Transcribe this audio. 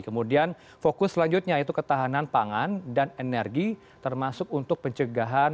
kemudian fokus selanjutnya itu ketahanan pangan dan energi termasuk untuk pencegahan